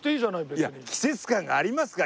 いや季節感がありますから。